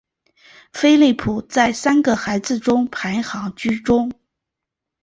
菲利波在三个孩子中排行居中。